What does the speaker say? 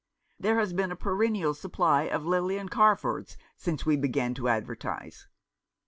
There has been a perennial supply of Lilian Carfords since we began to advertise."